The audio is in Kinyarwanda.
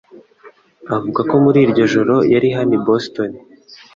avuga ko muri iryo joro yari hano i Boston.